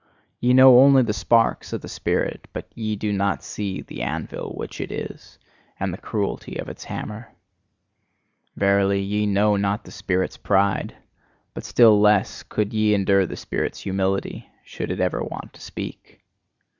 Ye know only the sparks of the spirit: but ye do not see the anvil which it is, and the cruelty of its hammer! Verily, ye know not the spirit's pride! But still less could ye endure the spirit's humility, should it ever want to speak!